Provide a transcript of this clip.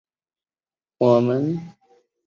其实我们都有做了